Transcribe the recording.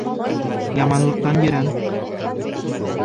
Яманлыҡтан ерән.